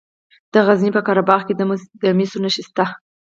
د غزني په قره باغ کې د مسو نښې شته.